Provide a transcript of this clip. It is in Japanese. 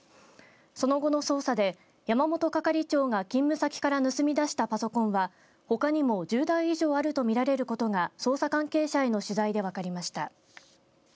その後の捜査で山本係長が、勤務先から盗み出したパソコンはほかにも１０台以上あるとみられることが捜査関係者への取材で分かりました。